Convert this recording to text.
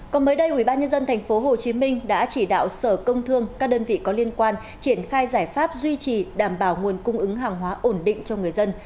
còn mới đây ubnd tp hcm đã chỉ đạo sở công thương các đơn vị có liên quan triển khai giải pháp duy trì đảm bảo nguồn cung ứng hàng hóa ổn định cho người dân